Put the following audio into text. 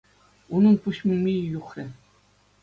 Унӑн пуҫ мимийӗ юхрӗ...